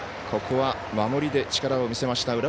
ここは守りで力を見せました。